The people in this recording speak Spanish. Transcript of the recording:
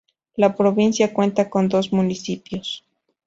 La provincia cuenta con dos municipios.